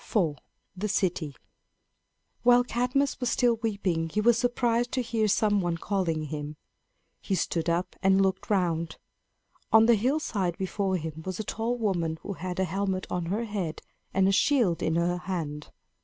IV. THE CITY. While Cadmus was still weeping he was surprised to hear some one calling him. He stood up and looked around. On the hillside before him was a tall woman who had a helmet on her head and a shield in her hand.